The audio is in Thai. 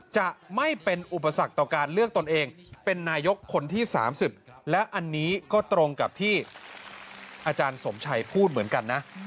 จะไม่เป็นอุปสรรคต่อการเลือกตนเองเป็นนายกคนที่๓๐และอันนี้ก็ตรงกับที่อาจารย์สมชัยพูดเหมือนกันนะ